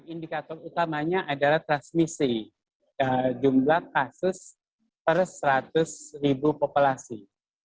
indikator utamanya adalah transmisi jumlah kasus per seratus ribu populasi